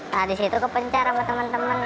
nah di situ kepencar sama teman teman